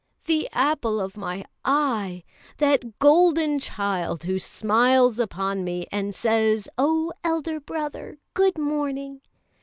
The apple of my eye! that golden child who smiles upon me, and says, 'Oh, elder brother, good morning!'